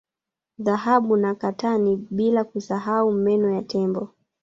Dhahabu na katani bila kusahau meno ya Tembo